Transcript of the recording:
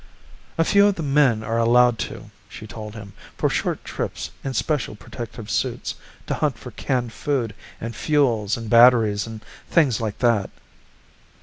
"A few of the men are allowed to," she told him, "for short trips in special protective suits, to hunt for canned food and fuels and batteries and things like that."